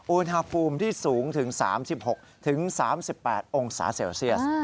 อุณหภูมิที่สูงถึง๓๖๓๘องศาเซลเซียส